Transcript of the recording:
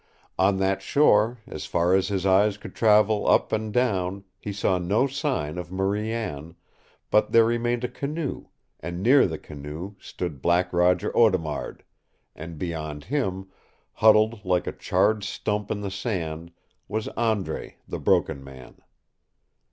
On that shore, as far as his eyes could travel up and down, he saw no sign of Marie Anne, but there remained a canoe, and near the canoe stood Black Roger Audemard, and beyond him, huddled like a charred stump in the sand, was Andre, the Broken Man.